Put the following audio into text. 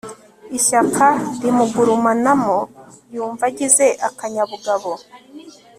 ishyaka rimugurumanamo yumva agize akanyabugabo